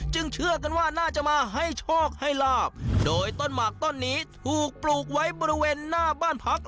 จึงเชื่อกันน่าจะมาให้ชอกให้หลาบโดยต้นหมักต้นนี้ถูกปลูกไว้เบอร์เวเนื่องหน้าบ้านผัก